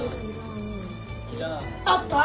あった！